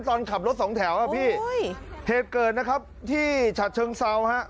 ตอนขับรถสองแถวอ่ะพี่เหตุเกิดนะครับที่ฉัดเชิงเซาฮะ